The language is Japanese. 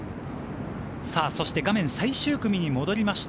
画面、最終組に戻りました。